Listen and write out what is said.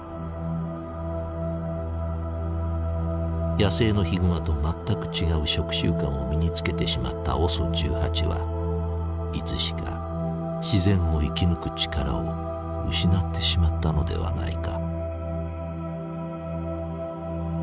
野生のヒグマと全く違う食習慣を身につけてしまったＯＳＯ１８はいつしか自然を生き抜く力を失ってしまったのではないか。